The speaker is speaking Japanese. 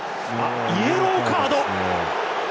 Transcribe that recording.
イエローカード。